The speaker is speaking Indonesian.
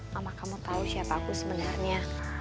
mama kamu tahu siapa aku sebenarnya